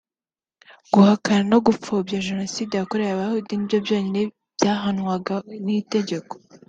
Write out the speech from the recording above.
guhakana no gupfobya jenoside yakorewe Abayahudi nibyo byonyine byahanwaga n’itegeko